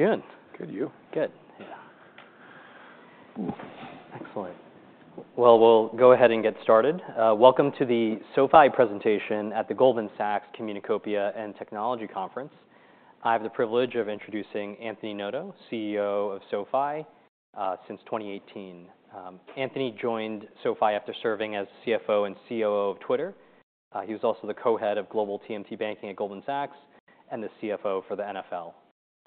How you doing? Good. You? Good. Yeah. Ooh, excellent. Well, we'll go ahead and get started. Welcome to the SoFi presentation at the Goldman Sachs Communacopia & Technology Conference. I have the privilege of introducing Anthony Noto, CEO of SoFi, since 2018. Anthony joined SoFi after serving as CFO and COO of Twitter. He was also the co-head of Global TMT Banking at Goldman Sachs, and the CFO for the NFL.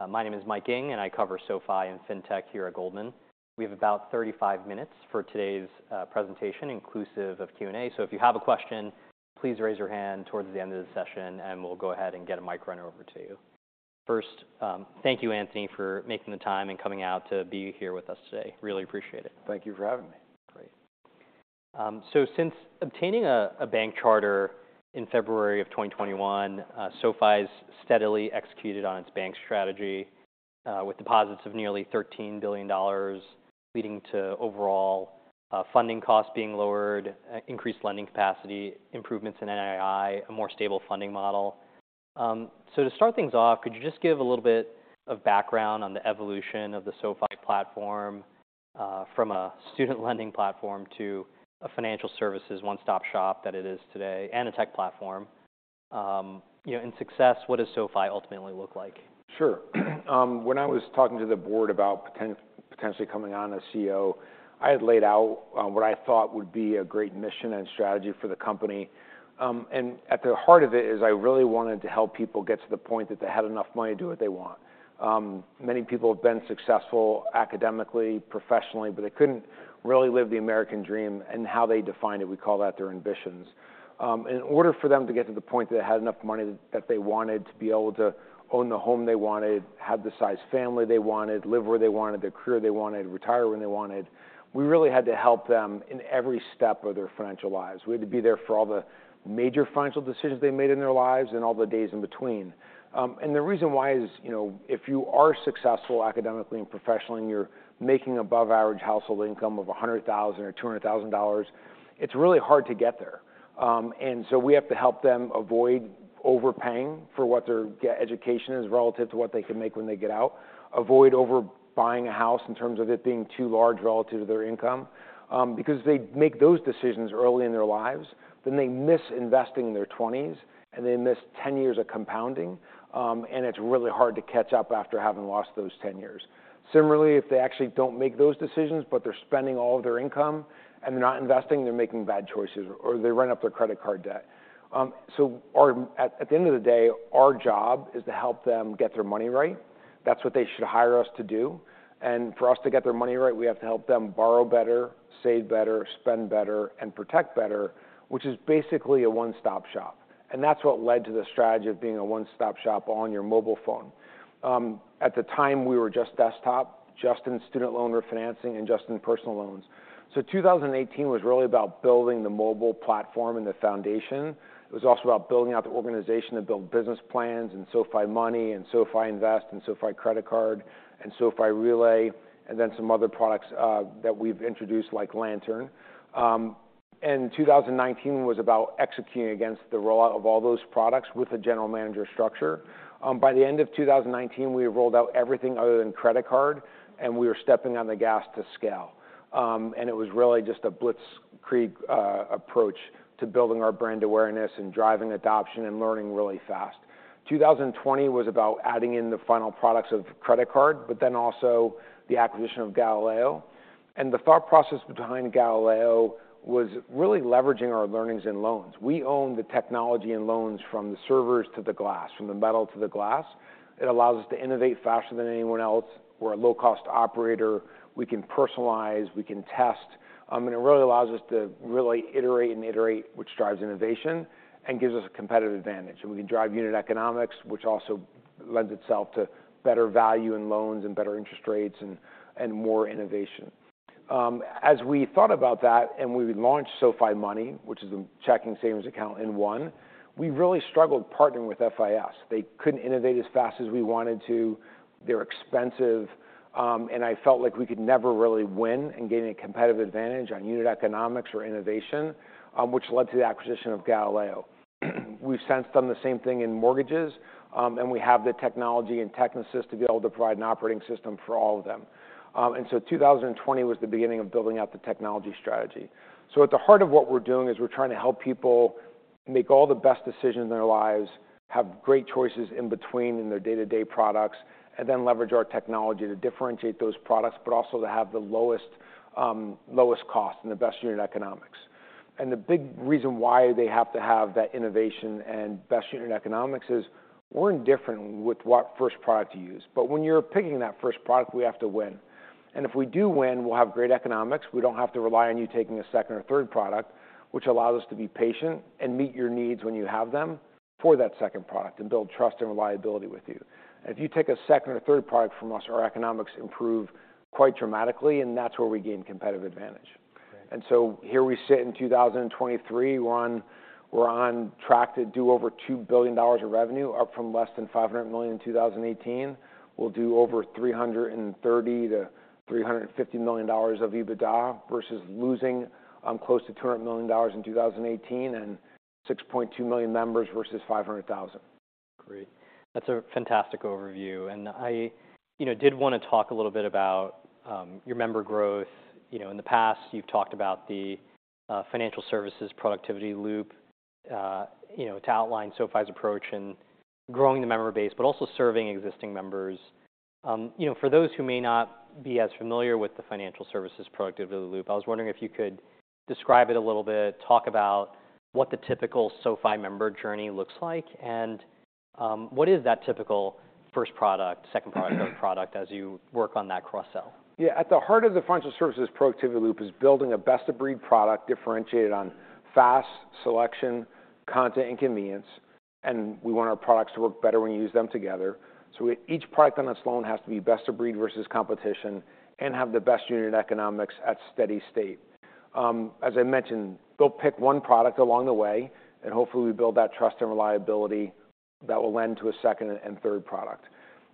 My name is Mike Ng, and I cover SoFi and Fintech here at Goldman. We have about 35 minutes for today's presentation, inclusive of Q&A. So if you have a question, please raise your hand towards the end of the session, and we'll go ahead and get a mic run over to you. First, thank you, Anthony, for making the time and coming out to be here with us today. Really appreciate it. Thank you for having me. Great. So since obtaining a bank charter in February of 2021, SoFi's steadily executed on its bank strategy, with deposits of nearly $13 billion, leading to funding costs being lowered, increased lending capacity, improvements in NII, a more stable funding model. So to start things off, could you just give a little bit of background on the evolution of the SoFi platform, from a student lending platform to a financial services one-stop shop that it is today, and a tech platform? And success, what does SoFi ultimately look like? Sure. When I was talking to the board about potentially coming on as CEO, I had laid out what I thought would be a great mission and strategy for the company. And at the heart of it is I really wanted to help people get to the point that they had enough money to do what they want. Many people have been successful academically, professionally, but they couldn't really live the American dream and how they defined it. We call that their ambitions. In order for them to get to the point that they had enough money that they wanted to be able to own the home they wanted, have the size family they wanted, live where they wanted, the career they wanted, retire when they wanted, we really had to help them in every step of their financial lives. We had to be there for all the major financial decisions they made in their lives and all the days in between. The reason why is, you know, if you are successful academically and professionally, and you're making above average household income of $100,000 or $200,000, it's really hard to get there. So we have to help them avoid overpaying for what their education is relative to what they can make when they get out. Avoid over buying a house in terms of it being too large relative to their income, because if they make those decisions early in their lives, then they miss investing in their twenties, and they miss 10 years of compounding, and it's really hard to catch up after having lost those 10 years. Similarly, if they actually don't make those decisions, but they're spending all of their income and they're not investing, they're making bad choices, or they run up their credit card debt. So, at the end of the day, our job is to help them get their money right. That's what they should hire us to do. And for us to get their money right, we have to help them borrow better, save better, spend better, and protect better, which is basically a one-stop shop, and that's what led to the strategy of being a one-stop shop on your mobile phone. At the time, we were just desktop, just in student loan refinancing and just in personal loans. So 2018 was really about building the mobile platform and the foundation. It was also about building out the organization to build business plans, and SoFi Money, and SoFi Invest, and SoFi Credit Card, and SoFi Relay, and then some other products that we've introduced, like Lantern. 2019 was about executing against the rollout of all those products with a general manager structure. By the end of 2019, we had rolled out everything other than credit card, and we were stepping on the gas to scale. It was really just a blitzkrieg approach to building our brand awareness and driving adoption and learning really fast. 2020 was about adding in the final products of credit card, but then also the acquisition of Galileo. The thought process behind Galileo was really leveraging our learnings and loans. We own the technology and loans from the servers to the glass, from the metal to the glass. It allows us to innovate faster than anyone else. We're a low-cost operator. We can personalize, we can test, and it really allows us to really iterate and iterate, which drives innovation and gives us a competitive advantage. And we can drive unit economics, which also lends itself to better value in loans and better interest rates and, and more innovation. As we thought about that, and we launched SoFi Money, which is a checking savings account in one, we really struggled partnering with FIS. They couldn't innovate as fast as we wanted to. They're expensive, and I felt like we could never really win and gain a competitive advantage on unit economics or innovation, which led to the acquisition of Galileo. We've since done the same thing in mortgages, and we have the technology and Technisys to be able to provide an operating system for all of them. And so 2020 was the beginning of building out the technology strategy. So at the heart of what we're doing is we're trying to help people make all the best decisions in their lives, have great choices in between in their day-to-day products, and then leverage our technology to differentiate those products, but also to have the lowest, lowest cost and the best unit economics. And the big reason why they have to have that innovation and best unit economics is we're indifferent with what first product to use. But when you're picking that first product, we have to win. And if we do win, we'll have great economics. We don't have to rely on you taking a second or third product, which allows us to be patient and meet your needs when you have them for that second product and build trust and reliability with you. If you take a second or third product from us, our economics improve quite dramatically, and that's where we gain competitive advantage. Right. And so here we sit in 2023. We're on track to do over $2 billion of revenue, up from less than $500 million in 2018. We'll do over $330-350 million of EBITDA versus losing close to $200 million in 2018, and 6.2 million members versus 500,000. Great. That's a fantastic overview, and I, you know, did want to talk a little bit about, your member growth. You know, in the past, you've talked about the, financial services productivity loop, you know, to outline SoFi's approach in growing the member base, but also serving existing members. You know, for those who may not be as familiar with the financial services productivity loop, I was wondering if you could describe it a little bit, talk about what the typical SoFi member journey looks like, and, what is that typical first product, second product, third product as you work on that cross-sell? At the heart of the financial services productivity loop is building a best-of-breed product, differentiated on fast selection, content, and convenience, and we want our products to work better when you use them together. So each product on its own has to be best of breed versus competition and have the best unit economics at steady state. As I mentioned, they'll pick one product along the way, and hopefully we build that trust and reliability that will lend to a second and third product.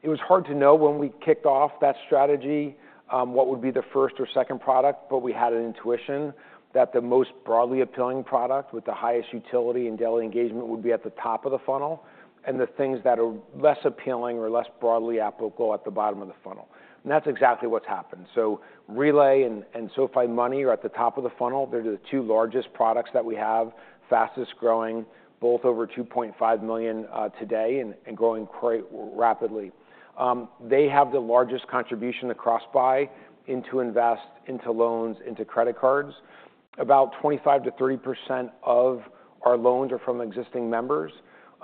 It was hard to know when we kicked off that strategy, what would be the first or second product, but we had an intuition that the most broadly appealing product with the highest utility and daily engagement would be at the top of the funnel, and the things that are less appealing or less broadly applicable at the bottom of the funnel. And that's exactly what's happened. So Relay and SoFi Money are at the top of the funnel. They're the two largest products that we have, fastest growing, both over 2.5 million today, and growing quite rapidly. They have the largest contribution to cross-buy into Invest, into loans, into credit cards. About 25%-30% of our loans are from existing members.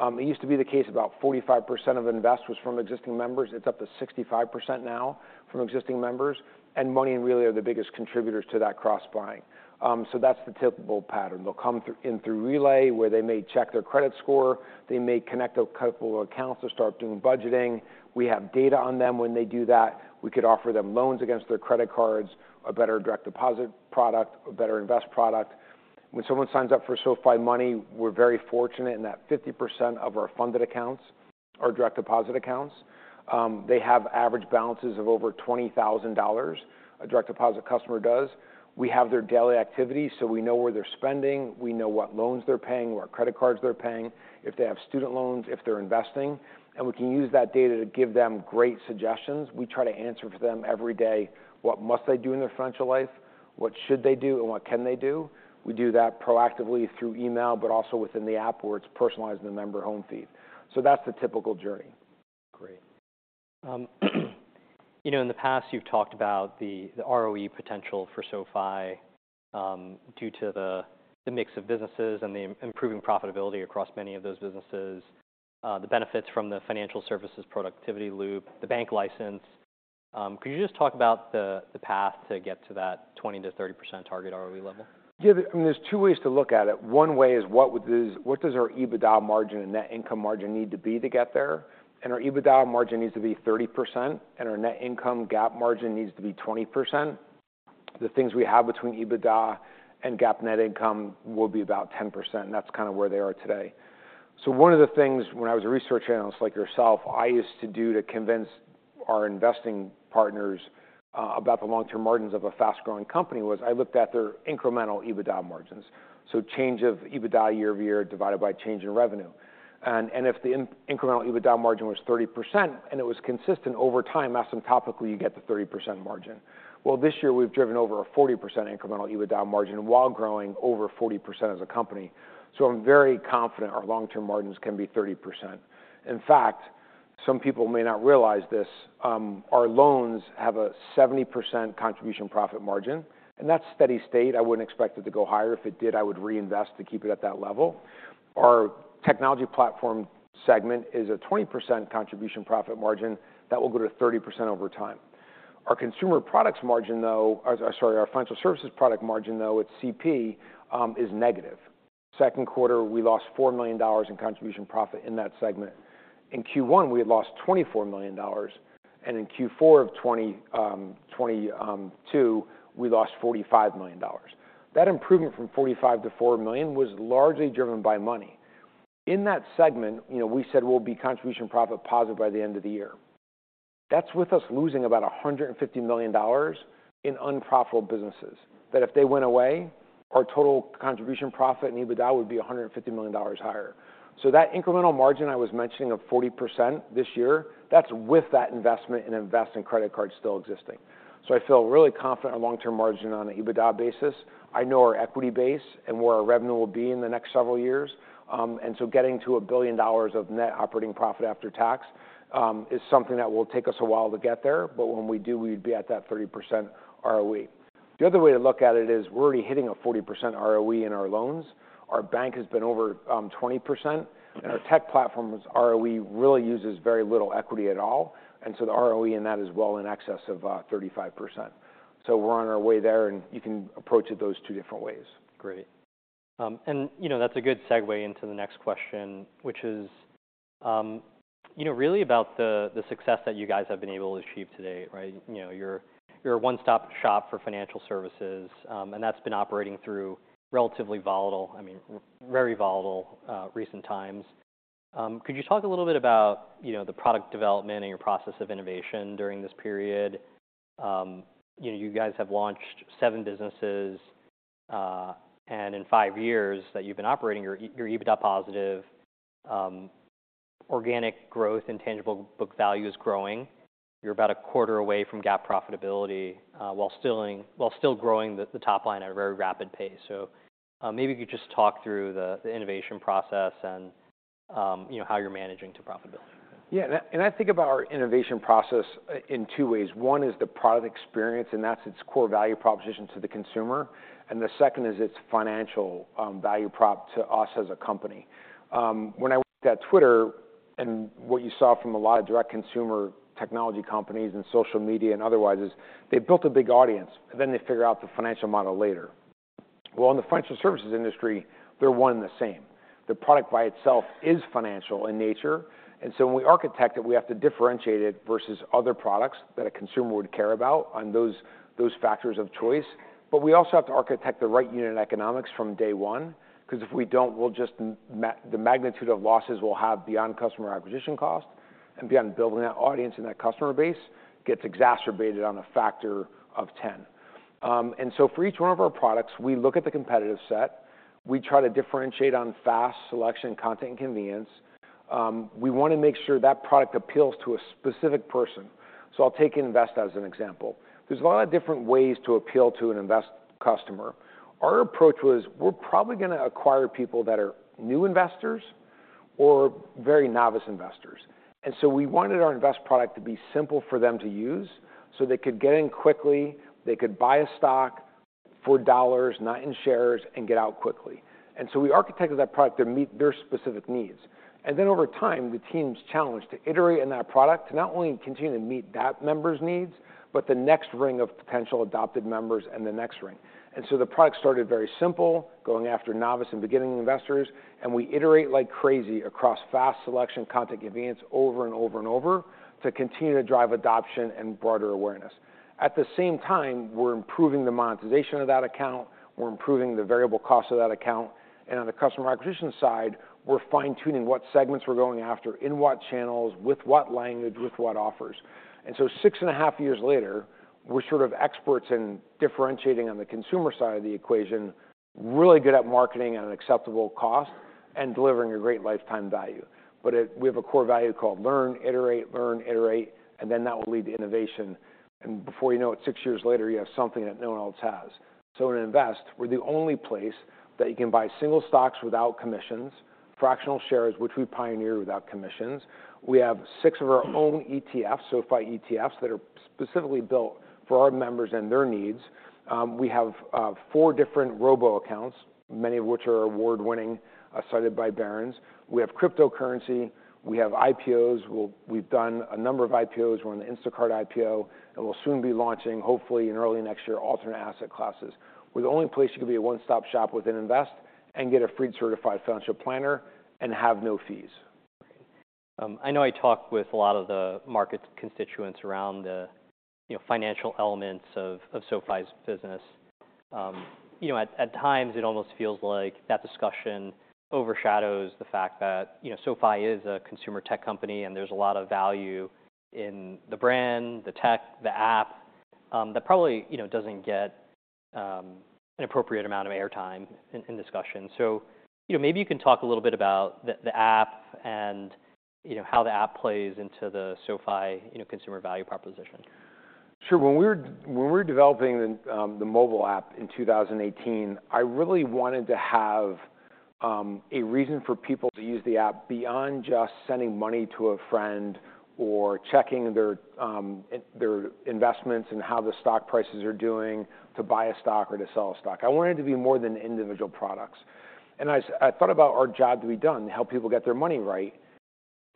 It used to be the case, about 45% of Invest was from existing members. It's up to 65% now from existing members, and Money and Relay are the biggest contributors to that cross-buying. So that's the typical pattern. They'll come in through Relay, where they may check their credit score. They may connect a couple of accounts to start doing budgeting. We have data on them when they do that. We could offer them loans against their credit cards, a better direct deposit product, a better invest product. When someone signs up for SoFi Money, we're very fortunate in that 50% of our funded accounts are direct deposit accounts. They have average balances of over $20,000, a direct deposit customer does. We have their daily activities, so we know where they're spending, we know what loans they're paying, what credit cards they're paying, if they have student loans, if they're investing, and we can use that data to give them great suggestions. We try to answer for them every day what must they do in their financial life, what should they do, and what can they do? We do that proactively through email, but also within the app, where it's personalized in the member home feed. So that's the typical journey. Great. You know, in the past, you've talked about the ROE potential for SoFi, due to the mix of businesses and the improving profitability across many of those businesses, the benefits from the financial services productivity loop, the bank license. Could you just talk about the path to get to that 20%-30% target ROE level? I mean, there's two ways to look at it. One way is, what would this—what does our EBITDA margin and net income margin need to be to get there? And our EBITDA margin needs to be 30%, and our net income GAAP margin needs to be 20%. The things we have between EBITDA and GAAP net income will be about 10%, and that's kind of where they are today. So one of the things when I was a research analyst like yourself, I used to do to convince our investing partners about the long-term margins of a fast-growing company, was I looked at their incremental EBITDA margins, so change of EBITDA year-over-year divided by change in revenue. And if the incremental EBITDA margin was 30% and it was consistent over time, asymptotically, you get to 30% margin. Well, this year we've driven over a 40% incremental EBITDA margin while growing over 40% as a company. So I'm very confident our long-term margins can be 30%. In fact, some people may not realize this, our loans have a 70% contribution profit margin, and that's steady state. I wouldn't expect it to go higher. If it did, I would reinvest to keep it at that level. Our technology platform segment is a 20% contribution profit margin that will go to 30% over time. Our consumer products margin, though... our financial services product margin, though it's CP, is negative. Second quarter, we lost $4 million in contribution profit in that segment. In Q1, we had lost $24 million, and in Q4 of 2022, we lost $45 million. That improvement from 45 to 4 million was largely driven by money. In that segment, you know, we said we'll be contribution profit positive by the end of the year. That's with us losing about $150 million in unprofitable businesses, that if they went away, our total contribution profit and EBITDA would be $150 million higher. So that incremental margin I was mentioning of 40% this year, that's with that investment in investing credit cards still existing. So I feel really confident in long-term margin on an EBITDA basis. I know our equity base and where our revenue will be in the next several years. and so getting to $1 billion of net operating profit after tax is something that will take us a while to get there, but when we do, we'd be at that 30% ROE. The other way to look at it is we're already hitting a 40% ROE in our loans. Our bank has been over 20%, and our tech platform's ROE really uses very little equity at all, and so the ROE in that is well in excess of 35%. So we're on our way there, and you can approach it those two different ways. Great. And you know, that's a good segue into the next question, which is, you know, really about the, the success that you guys have been able to achieve today, right? You know, you're, you're a one-stop shop for financial services, and that's been operating through relatively volatile, I mean, very volatile, recent times. Could you talk a little bit about, you know, the product development and your process of innovation during this period? You know, you guys have launched seven businesses, and in five years that you've been operating, you're, you're EBITDA positive. Organic growth and tangible book value is growing. You're about a quarter away from GAAP profitability, while still growing the, the top line at a very rapid pace. So, maybe you could just talk through the innovation process and, you know, how you're managing to profitability. Yeah, I think about our innovation process in two ways. One is the product experience, and that's its core value proposition to the consumer, and the second is its financial value prop to us as a company. When I looked at Twitter and what you saw from a lot of direct consumer technology companies and social media and otherwise, is they built a big audience, and then they figured out the financial model later. Well, in the financial services industry, they're one and the same. The product by itself is financial in nature, and so when we architect it, we have to differentiate it versus other products that a consumer would care about on those, those factors of choice. But we also have to architect the right unit economics from day one, 'cause if we don't, we'll just mean, the magnitude of losses we'll have beyond customer acquisition cost and beyond building that audience and that customer base, gets exacerbated on a factor of ten. And so for each one of our products, we look at the competitive set, we try to differentiate on fast selection, content, and convenience. We want to make sure that product appeals to a specific person. So I'll take Invest as an example. There's a lot of different ways to appeal to an Invest customer. Our approach was, we're probably gonna acquire people that are new investors or very novice investors, and so we wanted our Invest product to be simple for them to use so they could get in quickly, they could buy a stock for dollars, not in shares, and get out quickly. And so we architected that product to meet their specific needs. Then over time, the team's challenged to iterate in that product, to not only continue to meet that member's needs, but the next ring of potential adopted members and the next ring. So the product started very simple, going after novice and beginning investors, and we iterate like crazy across fast selection, content, convenience, over and over and over, to continue to drive adoption and broader awareness. At the same time, we're improving the monetization of that account, we're improving the variable cost of that account, and on the customer acquisition side, we're fine-tuning what segments we're going after, in what channels, with what language, with what offers. So 6.5 years later, we're sort of experts in differentiating on the consumer side of the equation, really good at marketing at an acceptable cost and delivering a great lifetime value. But we have a core value called learn, iterate, learn, iterate, and then that will lead to innovation. And before you know it, six years later, you have something that no one else has. So in Invest, we're the only place that you can buy single stocks without commissions, fractional shares, which we pioneered without commissions. We have six of our own ETFs, SoFi ETFs, that are specifically built for our members and their needs. We have four different robo accounts, many of which are award-winning, cited by Barron's. We have cryptocurrency, we have IPOs. We've done a number of IPOs. We're on the Instacart IPO, and we'll soon be launching, hopefully in early next year, alternate asset classes. We're the only place you can be a one-stop shop within Invest and get a free certified financial planner and have no fees. I know I talk with a lot of the market constituents around the, you know, financial elements of SoFi's business. You know, at times, it almost feels like that discussion overshadows the fact that, you know, SoFi is a consumer tech company, and there's a lot of value in the brand, the tech, the app, that probably, you know, doesn't get an appropriate amount of airtime in discussion. So, you know, maybe you can talk a little bit about the app and, you know, how the app plays into the SoFi, you know, consumer value proposition. Sure. When we were developing the mobile app in 2018, I really wanted to have a reason for people to use the app beyond just sending money to a friend or checking their investments and how the stock prices are doing, to buy a stock or to sell a stock. I wanted it to be more than individual products. I thought about our job to be done, to help people get their money right.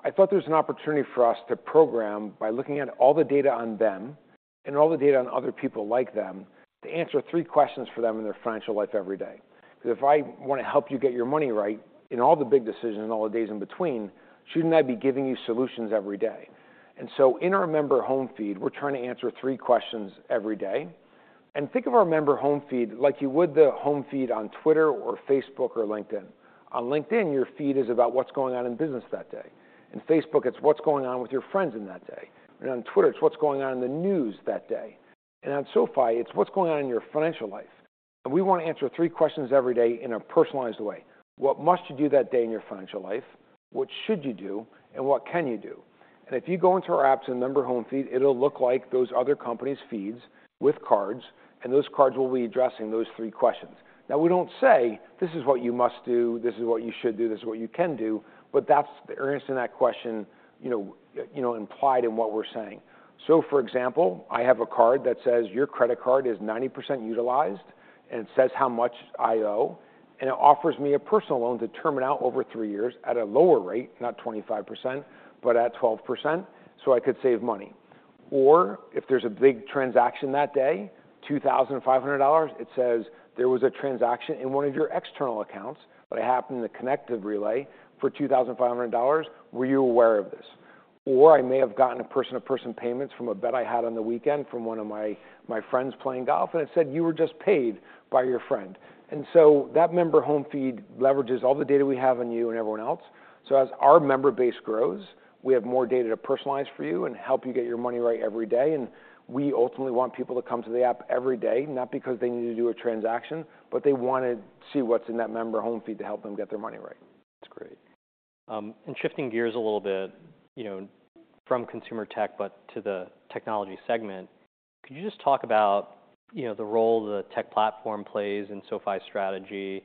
I thought there was an opportunity for us to program by looking at all the data on them, and all the data on other people like them, to answer three questions for them in their financial life every day. Because if I want to help you get your money right, in all the big decisions and all the days in between, shouldn't I be giving you solutions every day? And so in our member home feed, we're trying to answer three questions every day. And think of our member home feed like you would the home feed on Twitter or Facebook or LinkedIn. On LinkedIn, your feed is about what's going on in business that day. In Facebook, it's what's going on with your friends in that day. And on Twitter, it's what's going on in the news that day. And on SoFi, it's what's going on in your financial life, and we want to answer three questions every day in a personalized way. What must you do that day in your financial life? What should you do, and what can you do? And if you go into our apps and member home feed, it'll look like those other companies' feeds with cards, and those cards will be addressing those three questions. Now, we don't say, "This is what you must do, this is what you should do, this is what you can do," but that's the answer to that question, you know, you know, implied in what we're saying. So for example, I have a card that says, "Your credit card is 90% utilized," and it says how much I owe, and it offers me a personal loan to term it out over three years at a lower rate, not 25%, but at 12%, so I could save money. Or if there's a big transaction that day, $2,500, it says, "There was a transaction in one of your external accounts, but it happened in the connected Relay for $2,500. Were you aware of this?" Or I may have gotten a person-to-person payments from a bet I had on the weekend from one of my friends playing golf, and it said, "You were just paid by your friend." And so that member home feed leverages all the data we have on you and everyone else. So as our member base grows, we have more data to personalize for you and help you get your money right every day. We ultimately want people to come to the app every day, not because they need to do a transaction, but they want to see what's in that member home feed to help them get their money right. That's great. And shifting gears a little bit, you know, from consumer tech, but to the technology segment, could you just talk about, you know, the role the tech platform plays in SoFi's strategy?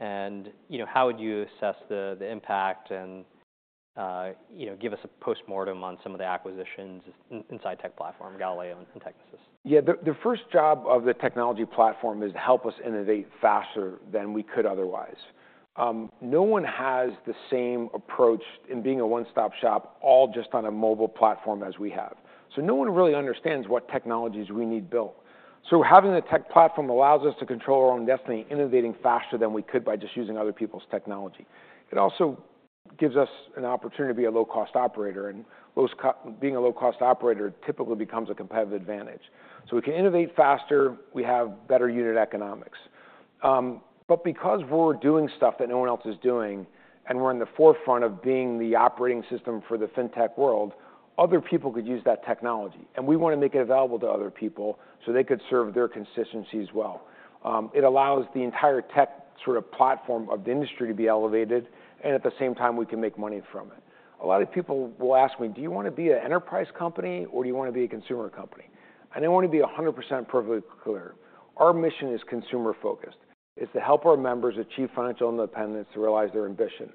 And, you know, how would you assess the, the impact and, you know, give us a postmortem on some of the acquisitions inside tech platform, Galileo and Technisys. Yeah, the first job of the technology platform is to help us innovate faster than we could otherwise. No one has the same approach in being a one-stop shop, all just on a mobile platform as we have. So no one really understands what technologies we need built. So having a tech platform allows us to control our own destiny, innovating faster than we could by just using other people's technology. It also gives us an opportunity to be a low-cost operator, and low-cost being a low-cost operator typically becomes a competitive advantage. So we can innovate faster, we have better unit economics. But because we're doing stuff that no one else is doing, and we're in the forefront of being the operating system for the fintech world, other people could use that technology, and we want to make it available to other people so they could serve their constituencies as well. It allows the entire tech sort of platform of the industry to be elevated, and at the same time, we can make money from it. A lot of people will ask me: "Do you want to be an enterprise company, or do you want to be a consumer company?" And I want to be 100% perfectly clear. Our mission is consumer-focused. It's to help our members achieve financial independence, to realize their ambition,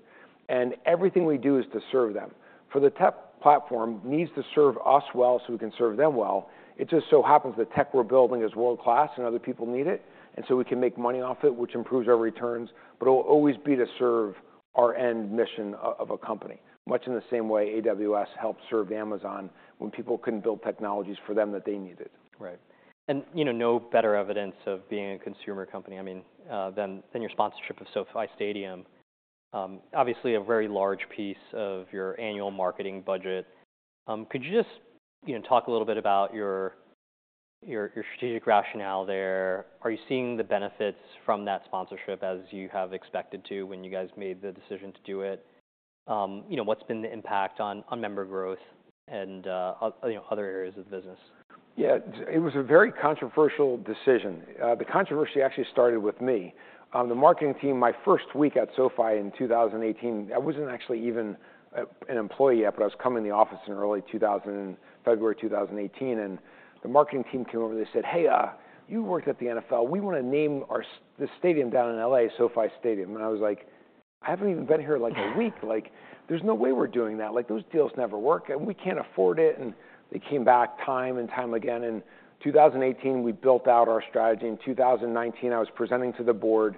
and everything we do is to serve them. For the tech platform needs to serve us well, so we can serve them well. It just so happens the tech we're building is world-class, and other people need it, and so we can make money off it, which improves our returns, but it'll always be to serve our end mission of a company, much in the same way AWS helped serve Amazon when people couldn't build technologies for them that they needed. Right. You know, no better evidence of being a consumer company, I mean, than your sponsorship of SoFi Stadium. Obviously a very large piece of your annual marketing budget. Could you just, you know, talk a little bit about your strategic rationale there? Are you seeing the benefits from that sponsorship as you have expected to when you guys made the decision to do it? You know, what's been the impact on member growth and other, you know, other areas of the business? Yeah, it was a very controversial decision. The controversy actually started with me. The marketing team, my first week at SoFi in 2018, I wasn't actually even an employee yet, but I was coming in the office in early February 2018, and the marketing team came over, they said, "Hey, you worked at the NFL. We want to name our the stadium down in L.A., SoFi Stadium." And I was like, "I haven't even been here, like, a week. Like, there's no way we're doing that. Like, those deals never work, and we can't afford it." And they came back time and time again. In 2018, we built out our strategy. In 2019, I was presenting to the board,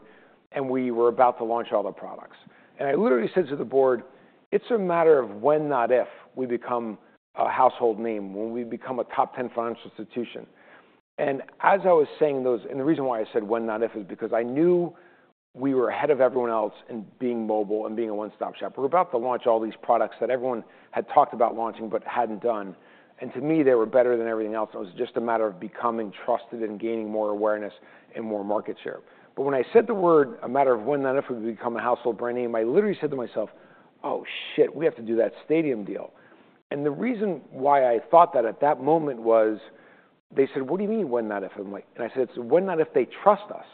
and we were about to launch all the products. And I literally said to the board, "It's a matter of when, not if, we become a household name, when we become a top ten financial institution." And as I was saying those... And the reason why I said when, not if, is because I knew we were ahead of everyone else in being mobile and being a one-stop shop. We're about to launch all these products that everyone had talked about launching but hadn't done, and to me, they were better than everything else. It was just a matter of becoming trusted and gaining more awareness and more market share. But when I said the word, a matter of when, not if, we become a household brand name, I literally said to myself: "Oh, we have to do that stadium deal." And the reason why I thought that at that moment was they said: "What do you mean, when, not if?" I'm like, and I said, "When, not if they trust us."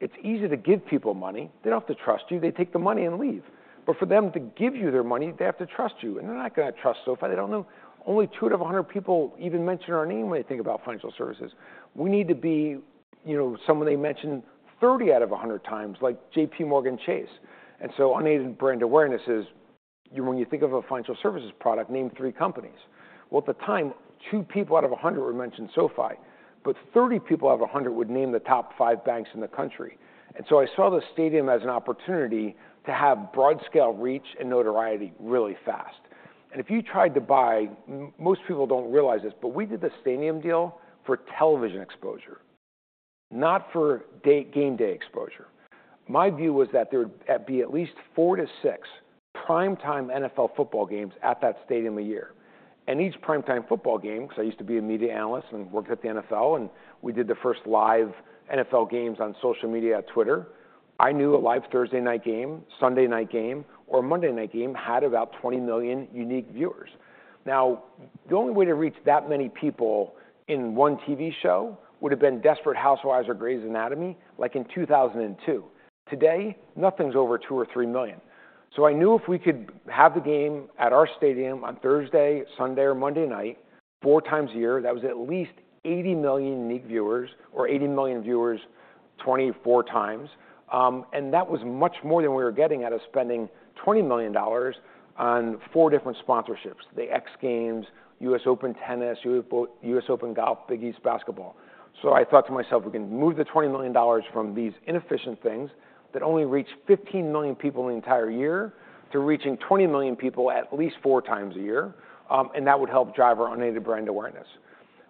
It's easy to give people money. They don't have to trust you. They take the money and leave. But for them to give you their money, they have to trust you, and they're not gonna trust SoFi. They don't know. Only two out of 100 people even mention our name when they think about financial services. We need to be, you know, someone they mention 30 out of 100 times, like JPMorgan Chase. Unaided brand awareness is when you think of a financial services product, name three companies. Well, at the time, two people out of 100 would mention SoFi, but 30 people out of 100 would name the top five banks in the country. I saw the stadium as an opportunity to have broad-scale reach and notoriety really fast. And if you tried to buy. Most people don't realize this, but we did the stadium deal for television exposure, not for game day exposure. My view was that there would be at least four-six prime-time NFL football games at that stadium a year. And each prime-time football game, because I used to be a media analyst and worked at the NFL, and we did the first live NFL games on social media at Twitter. I knew a live Thursday night game, Sunday night game, or Monday night game had about 20 million unique viewers. Now, the only way to reach that many people in one TV show would have been Desperate Housewives or Grey's Anatomy, like in 2002. Today, nothing's over two or three million. So I knew if we could have the game at our stadium on Thursday, Sunday, or Monday night, four times a year, that was at least 80 million unique viewers or 80 million viewers, 24 times. And that was much more than we were getting out of spending $20 million on four different sponsorships: the X Games, US Open Tennis, US Open Golf, Big East Basketball. So I thought to myself, "We can move the $20 million from these inefficient things that only reach 15 million people in the entire year to reaching 20 million people at least four times a year, and that would help drive our unaided brand awareness."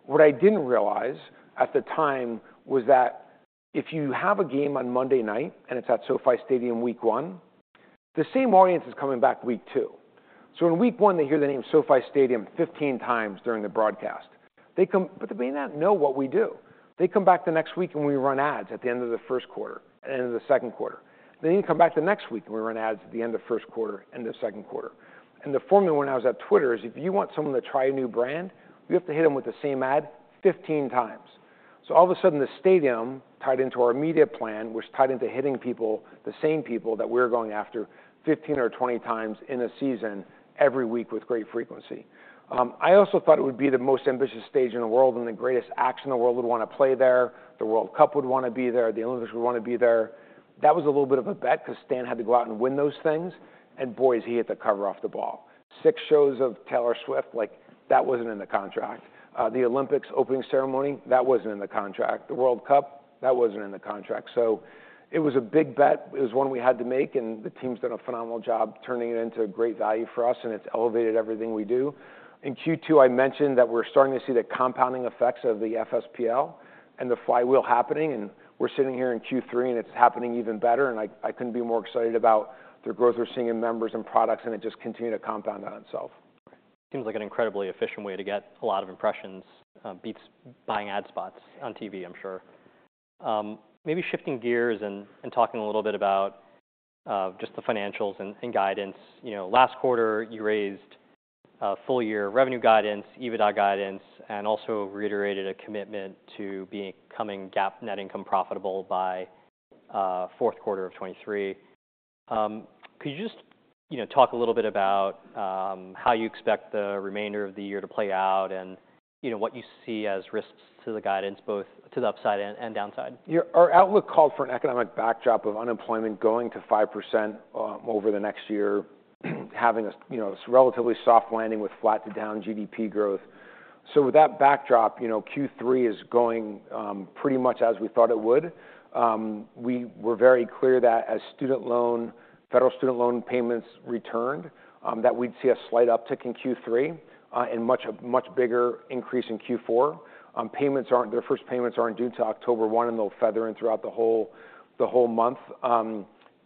What I didn't realize at the time was that if you have a game on Monday night and it's at SoFi Stadium Week 1, the same audience is coming back Week two. So in Week one, they hear the name SoFi Stadium 15 times during the broadcast. But they may not know what we do. They come back the next week, and we run ads at the end of the first quarter and the second quarter. They then come back the next week, and we run ads at the end of first quarter and the second quarter. And the formula when I was at Twitter is, if you want someone to try a new brand, you have to hit them with the same ad 15 times. So all of a sudden, the stadium tied into our media plan, which tied into hitting people, the same people, that we're going after 15 or 20 times in a season, every week with great frequency. I also thought it would be the most ambitious stage in the world, and the greatest acts in the world would want to play there. The World Cup would want to be there. The Olympics would want to be there. That was a little bit of a bet, 'cause Stan had to go out and win those things, and, boys, he hit the cover off the ball. Six shows of Taylor Swift, like, that wasn't in the contract. The Olympics opening ceremony, that wasn't in the contract. The World Cup, that wasn't in the contract. So it was a big bet. It was one we had to make, and the team's done a phenomenal job turning it into a great value for us, and it's elevated everything we do. In Q2, I mentioned that we're starting to see the compounding effects of the FSPL and the flywheel happening, and we're sitting here in Q3, and it's happening even better, and I couldn't be more excited about the growth we're seeing in members and products, and it just continue to compound on itself. Seems like an incredibly efficient way to get a lot of impressions. Beats buying ad spots on TV, I'm sure. Maybe shifting gears and talking a little bit about just the financials and guidance. You know, last quarter, you raised a full year revenue guidance, EBITDA guidance, and also reiterated a commitment to becoming GAAP net income profitable by fourth quarter of 2023. Could you just, you know, talk a little bit about how you expect the remainder of the year to play out and, you know, what you see as risks to the guidance, both to the upside and downside? Yeah. Our outlook called for an economic backdrop of unemployment going to 5%, over the next year, having a, you know, relatively soft landing with flat to down GDP growth. So with that backdrop, you know, Q3 is going pretty much as we thought it would. We were very clear that as federal student loan payments returned, that we'd see a slight uptick in Q3, and a much bigger increase in Q4. Their first payments aren't due till October 1, and they'll feather in throughout the whole month.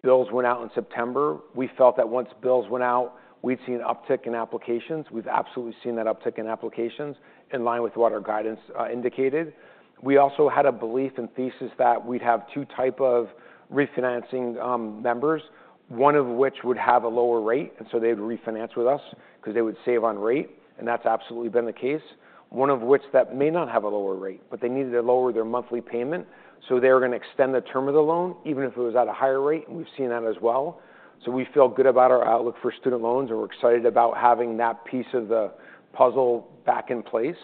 Bills went out in September. We felt that once bills went out, we'd see an uptick in applications. We've absolutely seen that uptick in applications in line with what our guidance indicated. We also had a belief and thesis that we'd have two type of refinancing members, one of which would have a lower rate, and so they'd refinance with us, 'cause they would save on rate, and that's absolutely been the case. One of which that may not have a lower rate, but they needed to lower their monthly payment, so they were gonna extend the term of the loan even if it was at a higher rate, and we've seen that as well. So we feel good about our outlook for student loans, and we're excited about having that piece of the puzzle back in place.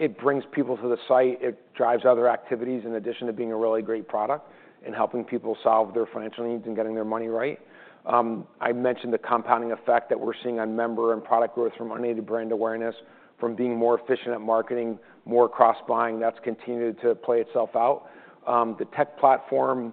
It brings people to the site. It drives other activities, in addition to being a really great product and helping people solve their financial needs and getting their money right. I mentioned the compounding effect that we're seeing on member and product growth from our native brand awareness, from being more efficient at marketing, more cross-buying. That's continued to play itself out. The tech platform,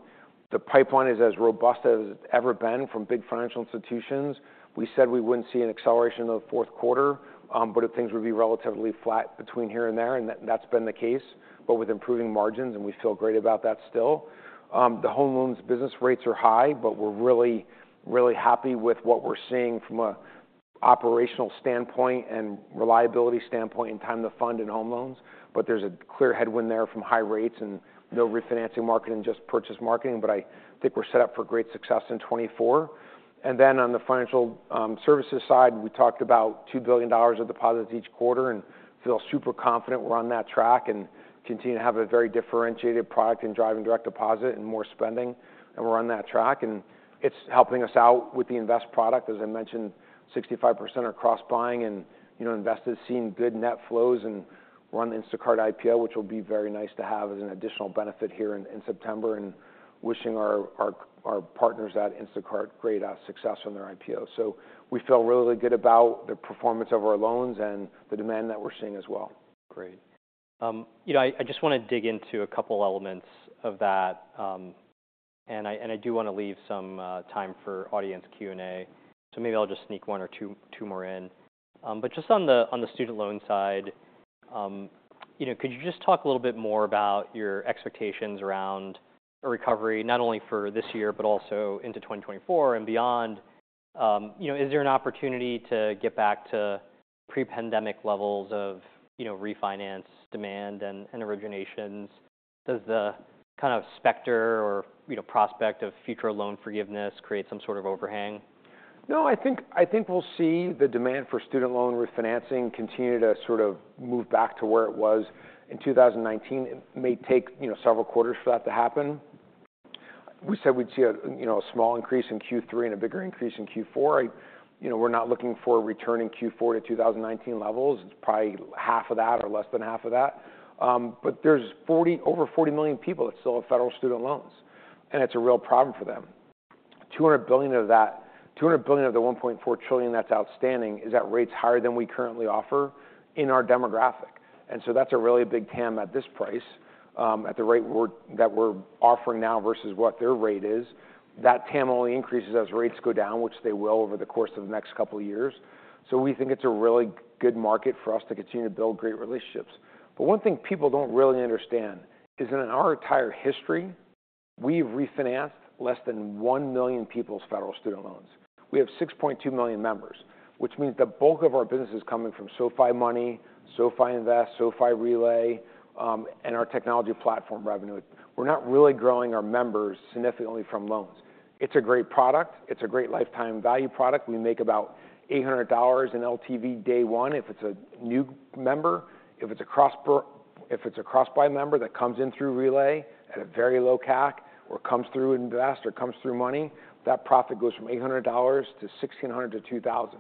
the pipeline is as robust as it's ever been from big financial institutions. We said we wouldn't see an acceleration of the fourth quarter, but if things would be relatively flat between here and there, and that's been the case, but with improving margins, and we feel great about that still. The home loans business rates are high, but we're really, really happy with what we're seeing from an operational standpoint and reliability standpoint in time to fund in home loans. But there's a clear headwind there from high rates and no refinancing marketing, just purchase marketing. But I think we're set up for great success in 2024. And then on the financial services side, we talked about $2 billion of deposits each quarter and feel super confident we're on that track, and continue to have a very differentiated product in driving direct deposit and more spending, and we're on that track, and it's helping us out with the Invest product. As I mentioned, 65% are cross-buying and, you know, invested, seeing good net flows. And we're on the Instacart IPO, which will be very nice to have as an additional benefit here in September, and wishing our partners at Instacart great success on their IPO. So we feel really good about the performance of our loans and the demand that we're seeing as well. Great. You know, I just want to dig into a couple elements of that, and I do want to leave some time for audience Q&A, so maybe I'll just sneak one or two, two more in. But just on the student loan side, you know, could you just talk a little bit more about your expectations around a recovery, not only for this year, but also into 2024 and beyond? You know, is there an opportunity to get back to pre-pandemic levels of, you know, refinance, demand, and originations? Does the kind of specter or, you know, prospect of future loan forgiveness create some sort of overhang? No, I think we'll see the demand for student loan refinancing continue to sort of move back to where it was in 2019. It may take, you know, several quarters for that to happen. We said we'd see a, you know, a small increase in Q3 and a bigger increase in Q4. You know, we're not looking for a return in Q4 to 2019 levels. It's probably half of that or less than half of that. But there's over 40 million people that still have federal student loans, and it's a real problem for them. $200 billion of that, $200 billion of the $1.4 trillion that's outstanding, is at rates higher than we currently offer in our demographic, and so that's a really big TAM at this price. At the rate that we're offering now versus what their rate is. That TAM only increases as rates go down, which they will over the course of the next couple of years. So we think it's a really good market for us to continue to build great relationships. But one thing people don't really understand is that in our entire history, we've refinanced less than 1 million people's Federal Student Loans. We have 6.2 million members, which means the bulk of our business is coming from SoFi Money, SoFi Invest, SoFi Relay, and our technology platform revenue. We're not really growing our members significantly from loans. It's a great product. It's a great lifetime value product. We make about $800 in LTV day one if it's a new member. If it's a cross-buy member that comes in through Relay at a very low CAC, or comes through Invest, or comes through Money, that profit goes from $800 to $1,600 to $2,000.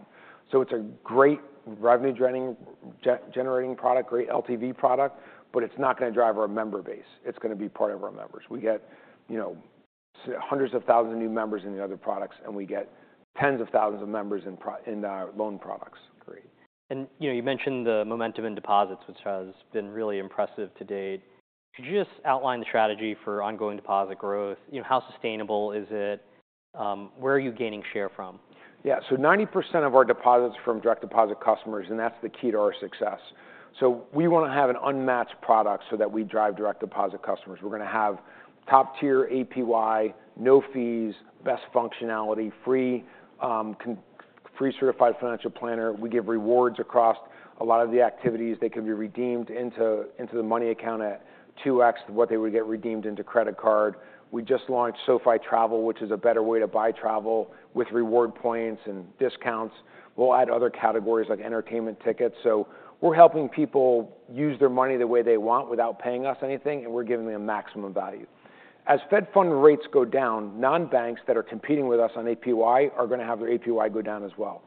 So it's a great revenue-generating product, great LTV product, but it's not gonna drive our member base. It's gonna be part of our members. We get, you know, hundreds of thousands of new members in the other products, and we get tens of thousands of members in our loan products. Great. You know, you mentioned the momentum in deposits, which has been really impressive to date. Could you just outline the strategy for ongoing deposit growth? You know, how sustainable is it? Where are you gaining share from? Yeah. So 90% of our deposits are from direct deposit customers, and that's the key to our success. So we wanna have an unmatched product so that we drive direct deposit customers. We're gonna have top-tier APY, no fees, best functionality, free, complimentary certified financial planner. We give rewards across a lot of the activities. They can be redeemed into the money account at 2x what they would get redeemed into credit card. We just launched SoFi Travel, which is a better way to buy travel with reward points and discounts. We'll add other categories like entertainment tickets. So we're helping people use their money the way they want without paying us anything, and we're giving them maximum value. As Fed fund rates go down, non-banks that are competing with us on APY are gonna have their APY go down as well.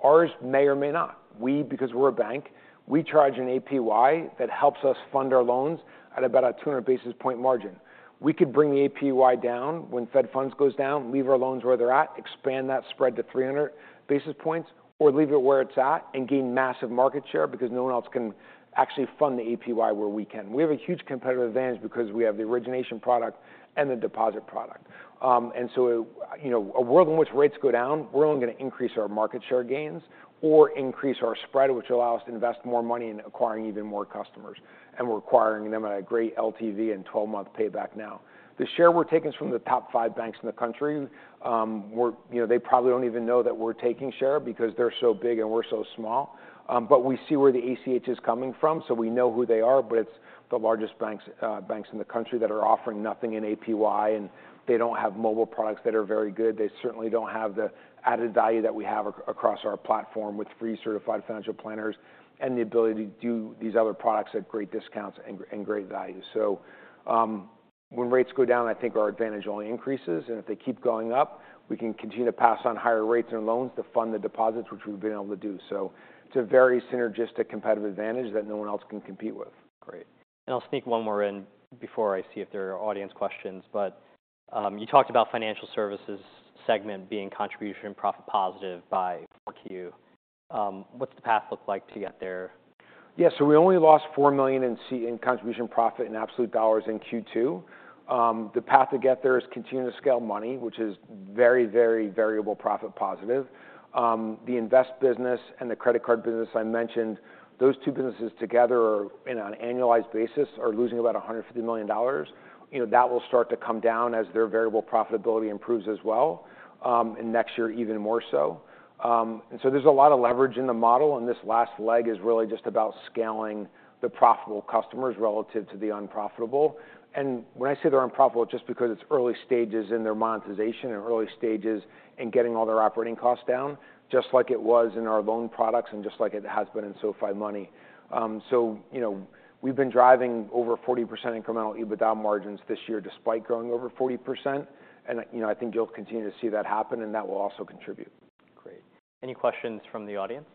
Ours may or may not. We, because we're a bank, we charge an APY that helps us fund our loans at about a 200 basis point margin. We could bring the APY down when Fed funds goes down, leave our loans where they're at, expand that spread to 300 basis points, or leave it where it's at and gain massive market share because no one else can actually fund the APY where we can. We have a huge competitive advantage because we have the origination product and the deposit product. And so, you know, a world in which rates go down, we're only gonna increase our market share gains or increase our spread, which will allow us to invest more money in acquiring even more customers. And we're acquiring them at a great LTV and 12-month payback now. The share we're taking is from the top five banks in the country. We're, you know, they probably don't even know that we're taking share because they're so big and we're so small. But we see where the ACH is coming from, so we know who they are, but it's the largest banks, banks in the country that are offering nothing in APY, and they don't have mobile products that are very good. They certainly don't have the added value that we have across our platform, with free certified financial planners and the ability to do these other products at great discounts and, and great value. So, when rates go down, I think our advantage only increases, and if they keep going up, we can continue to pass on higher rates and loans to fund the deposits, which we've been able to do. It's a very synergistic competitive advantage that no one else can compete with. Great. And I'll sneak one more in before I see if there are audience questions. But, you talked about financial services segment being contribution and profit positive by 4Q. What's the path look like to get there? Yeah, so we only lost $4 million in contribution profit in absolute dollars in Q2. The path to get there is continuing to scale money, which is very, very variable profit positive. The invest business and the credit card business I mentioned, those two businesses together are, in an annualized basis, are losing about $150 million. You know, that will start to come down as their variable profitability improves as well, and next year, even more so. And so there's a lot of leverage in the model, and this last leg is really just about scaling the profitable customers relative to the unprofitable. When I say they're unprofitable, just because it's early stages in their monetization and early stages in getting all their operating costs down, just like it was in our loan products and just like it has been in SoFi Money. So, you know, we've been driving over 40% incremental EBITDA margins this year, despite growing over 40%, and, you know, I think you'll continue to see that happen, and that will also contribute. Great. Any questions from the audience?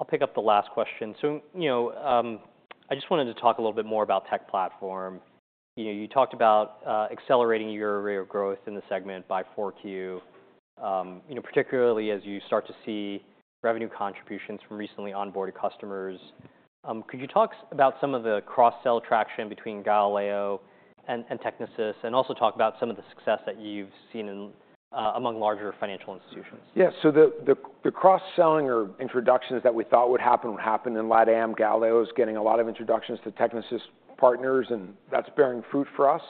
I'll pick up the last question. So, you know, I just wanted to talk a little bit more about tech platform. You know, you talked about accelerating your rate of growth in the segment by 4Q. You know, particularly as you start to see revenue contributions from recently onboarded customers. Could you talk about some of the cross-sell traction between Galileo and Technisys, and also talk about some of the success that you've seen in among larger financial institutions? Yeah. So the cross-selling or introductions that we thought would happen, would happen in LatAm. Galileo is getting a lot of introductions to Technisys partners, and that's bearing fruit for us.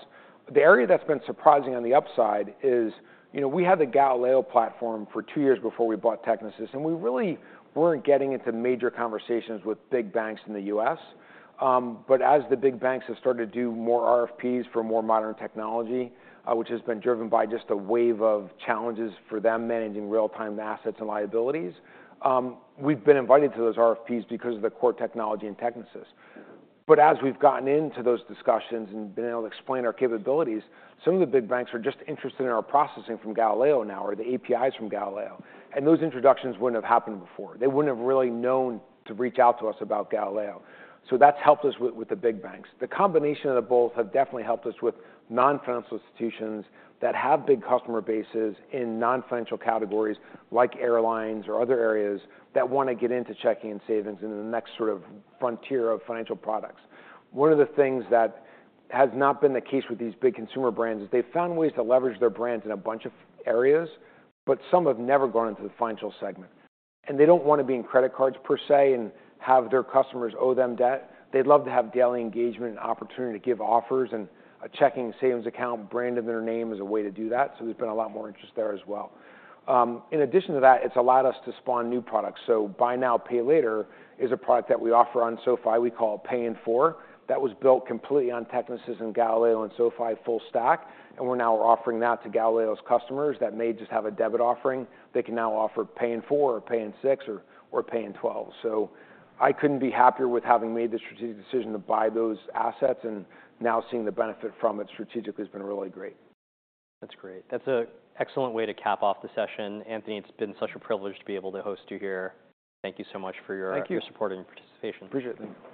The area that's been surprising on the upside is, you know, we had the Galileo platform for two years before we bought Technisys, and we really weren't getting into major conversations with big banks in the U.S. But as the big banks have started to do more RFPs for more modern technology, which has been driven by just a wave of challenges for them, managing real-time assets and liabilities, we've been invited to those RFPs because of the core technology in Technisys. But as we've gotten into those discussions and been able to explain our capabilities, some of the big banks are just interested in our processing from Galileo now, or the APIs from Galileo, and those introductions wouldn't have happened before. They wouldn't have really known to reach out to us about Galileo. So that's helped us with the big banks. The combination of the both have definitely helped us with non-financial institutions that have big customer bases in non-financial categories, like airlines or other areas, that wanna get into checking and savings into the next sort of frontier of financial products. One of the things that has not been the case with these big consumer brands is they've found ways to leverage their brands in a bunch of areas, but some have never gone into the financial segment, and they don't want to be in credit cards per se and have their customers owe them debt. They'd love to have daily engagement and opportunity to give offers, and a checking and savings account branded their name as a way to do that. So there's been a lot more interest there as well. In addition to that, it's allowed us to spawn new products. So buy now, pay later is a product that we offer on SoFi. We call it Pay in 4. That was built completely on Technisys and Galileo and SoFi full stack, and we're now offering that to Galileo's customers that may just have a debit offering. They can now offer Pay in 4 or Pay in 6 or Pay in 12. So I couldn't be happier with having made the strategic decision to buy those assets and now seeing the benefit from it strategically has been really great. That's great. That's an excellent way to cap off the session. Anthony, it's been such a privilege to be able to host you here. Thank you so much for your- Thank you... your support and participation. Appreciate it. Thank you.